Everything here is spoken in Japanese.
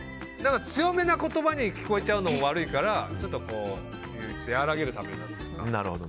強めな言葉に聞こえちゃうのも悪いからちょっと、和らげるために。